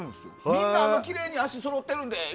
みんな、きれいに足そろってるんでって。